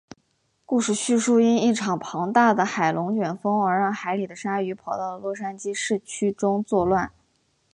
故事叙述因一场庞大的海龙卷风而让海里的鲨鱼跑到了洛杉矶市区中作乱。